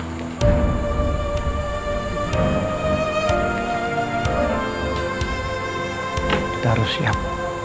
kita harus siap